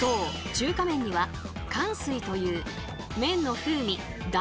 中華麺には「かんすい」という麺の風味弾力